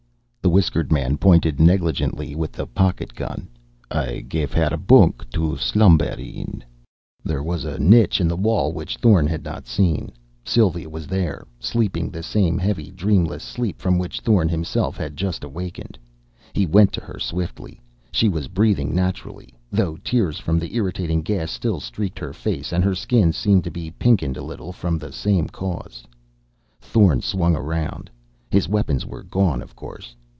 The whiskered man pointed negligently with the pocket gun. "I gafe her a bunk to slumber in." There was a niche in the wall, which Thorn had not seen. Sylva was there, sleeping the same heavy, dreamless sleep from which Thorn himself had just awakened. He went to her swiftly. She was breathing naturally, though tears from the irritating gas still streaked her face and her skin seemed to be pinkened a little from the same cause. Thorn swung around. His weapons were gone, of course.